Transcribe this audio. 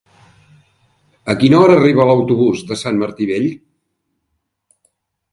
A quina hora arriba l'autobús de Sant Martí Vell?